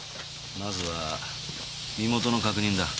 まずは身元の確認だ。